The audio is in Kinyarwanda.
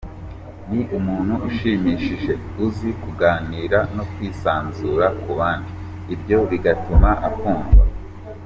Ni umuntu ushimishije, uzi kuganira no kwisanzura ku bandi, ibyo bigatuma akundwa.